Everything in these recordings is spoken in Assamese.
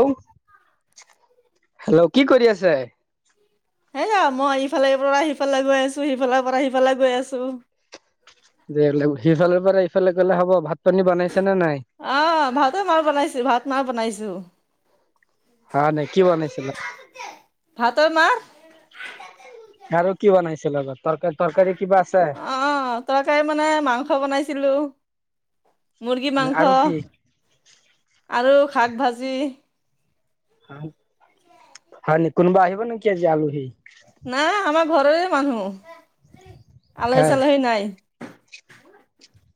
[unintelligible] হেল্ল', কি কৰি আছে? হেইয়া মই ইফালে পৰা সিফালে গৈ আছো সিফালৰ পৰা সিফালে গৈ আছো। [unintelligible] সিফালৰ পৰা ইফালে গলে হ'ব, ভাত পানী বনাইছে নে নাই? আহ, ভাতো মই বনাইছো, ভাত মই বনাইছো। হয় নে কি বনাইছিলা? [unintelligible] আৰু কি বনাইছে লগত? তৰকাৰী-তৰকাৰী কিবা আছে? অ', তৰকাৰী মানে মাংস বনাইছিলোঁ, মুৰ্গী মাংস। আৰু কি? আৰু শাক ভাজি। হয় নে কোনোবা আহিব নেকি আজি আলহী? নাই আমাৰ ঘৰৰে মানুহ, আলহী হয় চালহী নাই।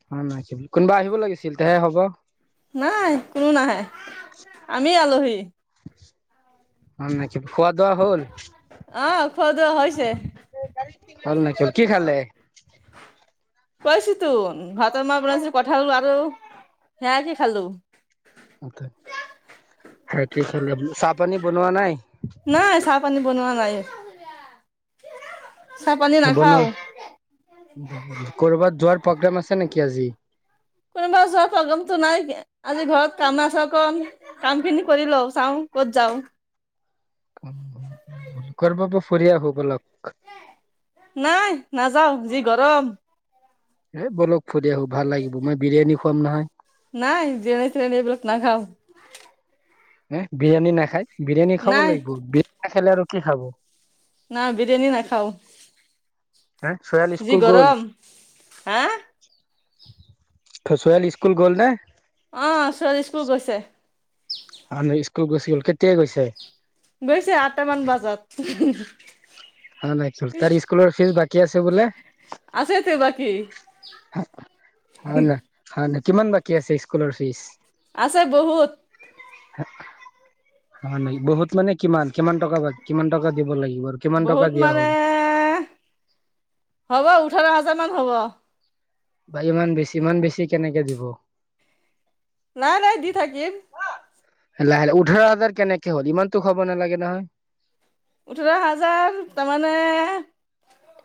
[unintelligible] কোনোবা আহিব লাগিছিল তেয়ে হ'ব। নাই কোনো নাহে, আমি আলহী। অ', নেকি, খোৱা দোৱা হ'ল? আহ, খোৱা দোৱা হৈছে। হল নেকি, কি খালে? কৈছো তো ভাতৰ মাহ বনাইছিলো, কঁঠাল আৰু সেয় দি খালো। [unintelligible] চাহ পানী বনোৱা নাই? নাই, চাহ পানী বনোৱা নাই। চাহ পানী নাখাও [unintelligible] কৰ'বাত যোৱাৰ প্ৰগ্ৰেম আছে নেকি আজি? [unintelligible] প্ৰগেমটো নাই আজি ঘৰত [unintelligible] কাম খিনি কৰি লও, চাওঁ ক'ত যাওঁ। কৰবাপা ফুৰি আহো বলক। নাই নাযাও যি গৰম। এ বলক ফুৰি আহো, ভাল লাগিব মই বিৰিয়ানী খুৱাম নহয়। নাই বিৰিয়ানী চিৰীয়ানি এইবিলাক নাখাওঁ। এ বিৰিয়ানী নাখায়, বিৰিয়ানি খাব নাই লাগিব বিৰিয়ানী না খালে আৰু কি খাব। না বিৰিয়ানী নাখাও, হা চয়াল স্কুল যি গ'ল গৰম, হা। [unintelligible] স্কুল গ'লনে? অ', ছোৱালী স্কুল গৈছে। [unintelligible] কেতিয়া গৈছে? গৈছে আঠটামান বজাত। [unintelligible] তাৰ স্কুলৰ ফিজ বাকী আছে বোলে। আছে তে বাকী। হয় ন, হয় ন, কিমান বাকী আছে স্কুলৰ ফিজ? আছে বহুত। [unintelligible] [unintelligible] নাই বহুত মানে কিমান, কিমান টকা বা কিমান টকা দিব লাগিব আৰু কিমান টকা বহুত দিয়া মানে, হ'ল হ'ব ওঠৰ হাজাৰ মান হ'ব। বা ইমান বেছি, ইমান বেছি কেনেকে দিব? নাই নাই দি থাকিম। লাহে লাহে ওঠৰ হাজাৰ কেনেকে হ'ল ইমানতো হব নালাগে নহয়। ওঠৰ হাজাৰ তাৰমানে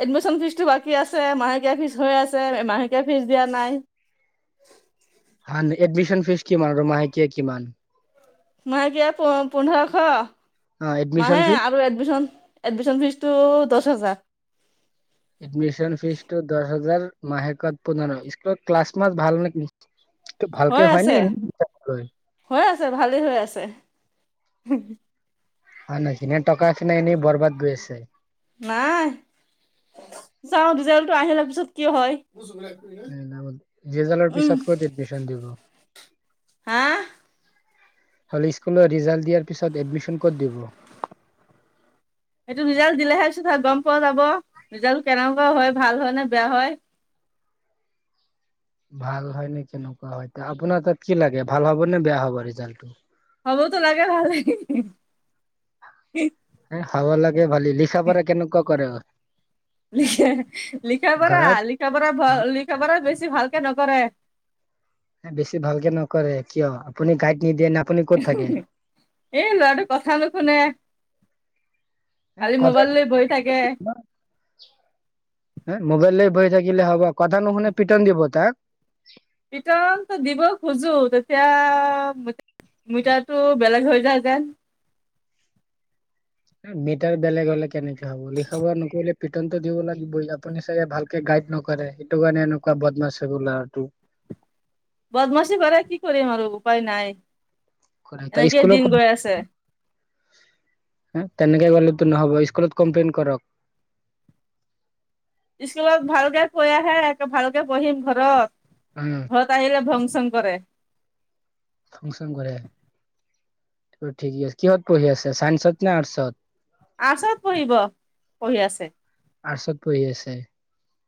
এডমিশ্যন ফিজটো বাকী আছে, মাহেকীয়া ফিজ হৈ আছে, মাহেকীয়া ফীজ দিয়া নাই। [unintelligible] এডমিশন ফিচ কিমান আৰু মাহেকীয়া কিমান? মাহেকীয়া প পোন্ধৰশ অ এডমিশন মাহে ফিজ আৰু এডমিশন এডমিশন ফিজ টো দহ হাজাৰ। এডমিশন ফিজটো দহ হাজাৰ, মাহেকত পোন্ধৰ স্কুলত ক্লাছ মাছ ভাল নেকি? হৈ ভালকে হয় আছে নে [unintelligible] হৈ আছে ভালেই হৈ আছে। হয় নেকি নে টকা খিনি এনেই বৰবাদ গৈ আছে। নাই যাও [unintelligible] আহে পিছত কি হয়। [unintelligible] ৰিজালৰ উম পিছত ক'ত এডমিচন দিব? হা হ'লে স্কুলত ৰিজাল্ট দিয়াৰ পিছত এডমিশন ক'ত দিব? এইটো ৰিজাল্ট দিলেহে পিছত গম পোৱা যাব ৰিজাল্টো কেনেকুৱা হয় ভাল হয় নে বেয়া হয়। ভাল হয় নে কেনেকুৱা হয়, আপোনাৰ তাত কি লাগে ভাল হ'ব নে বেয়া হ'ব ৰিজাল্টটো। হ'বতো লাগে ভালেই। হ'ব লাগে ভালেই লিখা পঢ়া কেনেকুৱা কৰে। লখে, লিখা পঢ়া ঘৰত লিখা পৰা লিখা পৰা বেছি ভালকে নকৰে। বেছি ভালকে নকৰে কিয়, আপুনি গাইড নিদিয়ে না এ, ল'ৰাটো কথা নুশুনে। কালি মোবাইল লৈ বহি থাকে। হে, মোবাইল লৈ বহি থাকিলে হ'ব কথা নুশুনে পিটন দিব তাক। পিটনটো দিব খোজো তেতিয়া মানে [unintelligible] বেলেগ হৈ যায় যেন। মিটাৰ বেলেগ হলে কেনেকে হ'ব লিখা-পঢ়া নকৰিলে পিটনটো দিব লাগিবই আপুনি চাগে ভাল গাইড নকৰে, সেইটো কাৰণে এনেকুৱা বদমাছ হৈ গ'ল ল'ৰাটো। বদমাচি কৰে, কি কৰিম আৰু উপায় নাই এনেকেই স্কুলত দিন গৈ আছে। হ, তেনেকে কলেটো নহ'ব স্কুলত কমপ্লেইন কৰক। স্কুলত ভালকে কৈ আহে ভালকে পঢ়িম ঘৰত। উম্। ঘৰত আহিলে ভংচং কৰে। ভংচং কৰে। ঠিক আছে, কিহত পঢ়ি আছে চাইন্সত নে আৰ্টচত? আৰ্ছত পঢ়িব, পঢ়ি আছে। আৰ্টচত পঢ়ি আছে।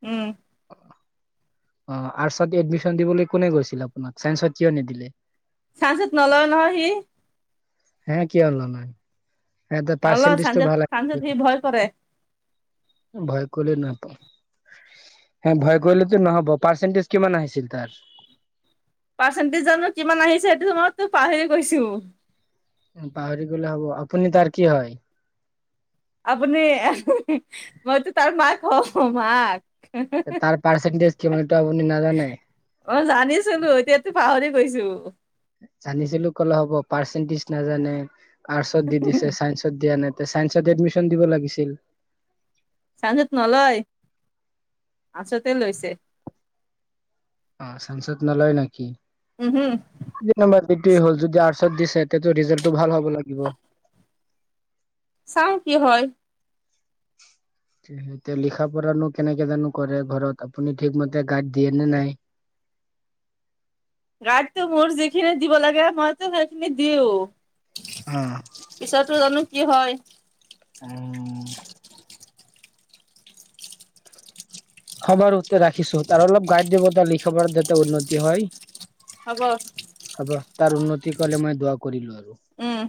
উম্। অ' আৰ্টচত এডমিশন দিবলৈ কোনে কৈছিল আপোনাক চাইন্সত কিয় নিদিলে? চাইন্সত নলয় নহয় সি। হে কিয় নলয় ইহঁতৰ নলয় পাৰৰ্চেন্টেজটো চাইন্সত ভাল আ চাইন্সত সি ভয় কৰে ভয় কলে নহব। হে ভয় কৰিলেতো নহ'ব, পাৰ্চেণ্টেজ কিমান আহিছিল তাৰ। পাৰ্চেন্টেজ জানো কিমান আহিছে সেইটো মইতো পাহৰি গৈছোঁ। পাহৰি গলে হ'ব, আপুনি তাৰ কি হয়? আপুনি মইতো তাৰ মাক হওঁ মাক। তাৰ পাৰৰ্চেন্টেজ কিমান এইটো আপুনি নাজানে? অ' জানিছিলো এতিয়াতো পাহৰি গৈছো। জানিছিলো ক'লে হ'ব? পাৰ্চেন্টেজ নাজানে আৰ্টচত দি দিছে চাইন্সত দিয়া নাই? চাইন্সত এডমিশ্যন দিব লাগিছিল? চাইন্সট নলয় আৰ্টছতে লৈছে। অ' চাইন্সত নলয় নেকি? উম হুম। যি নম্বৰ বৃদ্ধি হ'ল যদি আৰ্টছত দিছে তেতিয়া ৰিজাল্টটো ভাল হব। হ'ব লাগিব। চাওঁ কি হয়। এতিয়া লিখা পঢ়ানো কেনেকে জানো কৰে ঘৰত? আপুনি ঠিকমতে গাইড দিয়ে নে নাই? গাইডটো মোৰ যিখিনি দিব লাগে মইতো সেইখিনি দিওঁ। অ'। পিছৰটো জানো কি হয়? উম। হ'ব আৰু টো ৰাখিছো, তাৰ অলপ গাইড দিব লিখা পঢ়াত যাতে উন্নতি হয়। হ'ব। হ'ব তাৰ উন্নতি কলে মই দোৱা কৰিলো আৰু। উম।